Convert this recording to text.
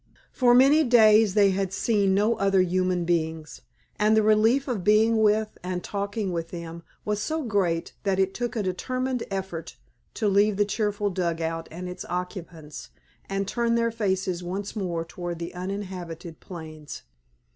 For many days they had seen no other human beings, and the relief of being with and talking with them was so great that it took a determined effort to leave the cheerful dugout and its occupants and turn their faces once more toward the uninhabited plains.